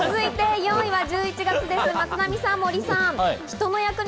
４位は１１月生まれの方です、松並さん、森さん。